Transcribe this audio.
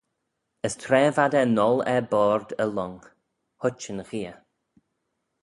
As tra v'ad er n'gholl er-board y lhong, huitt yn gheay.